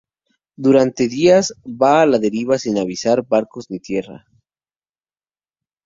Durante días va a la deriva, sin avistar barcos ni tierra.